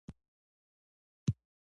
عوایدو محدودیتونه خلک ارزيابي کوي.